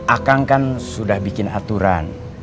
akang kan sudah bikin aturan